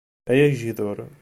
A agejdur!